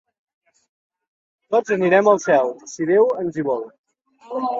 Tots anirem al cel, si Déu ens hi vol.